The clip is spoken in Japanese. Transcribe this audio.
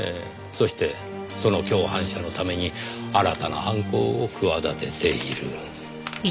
そしてその共犯者のために新たな犯行を企てている。